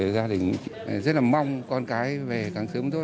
gia đình rất mong con cái về càng sớm tốt